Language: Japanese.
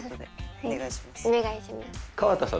お願いします。